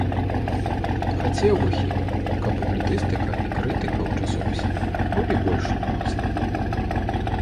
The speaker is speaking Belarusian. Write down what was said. Хацеў бы хіба, каб публіцыстыка і крытыка ў часопісе былі больш моцнымі.